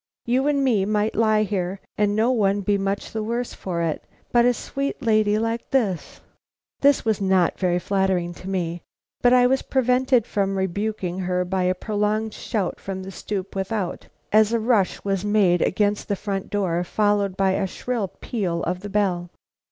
You and me might lie here and no one be much the worse for it, but a sweet lady like this " This was not very flattering to me, but I was prevented from rebuking her by a prolonged shout from the stoop without, as a rush was made against the front door, followed by a shrill peal of the bell.